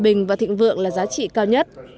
coi hòa bình và thịnh vượng là giá trị cao nhất